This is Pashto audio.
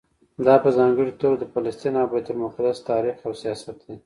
دا په ځانګړي توګه د فلسطین او بیت المقدس تاریخ او سیاست دی.